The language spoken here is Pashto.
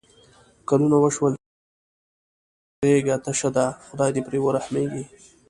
کلونه وشول چې د احمد غېږه تشه ده. خدای دې پرې ورحمېږي.